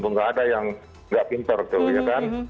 nggak ada yang nggak pinter tuh ya kan